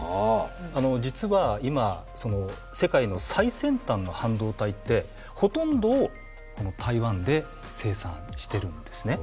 実は今世界の最先端の半導体ってほとんどをこの台湾で生産してるんですね。